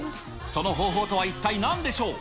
その方法とは一体なんでしょう？